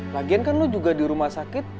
lagian kan lu juga di rumah sakit